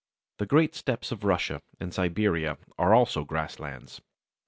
The great Steppes of Russia and Siberia are also grasslands.